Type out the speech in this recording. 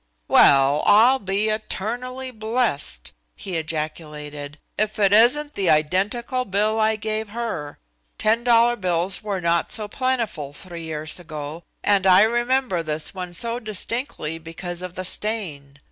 "Well, I'll be eternally blessed," he ejaculated, "if it isn't the identical bill I gave her. Ten dollar bills were not so plentiful three years ago, and I remember this one so distinctly because of the stain.